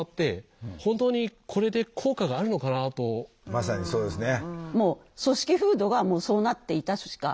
まさにそうですね。